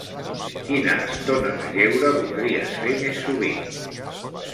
Quina estona de lleure voldries fer més sovint?